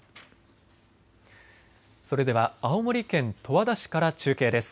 それでは青森県十和田市から中継です。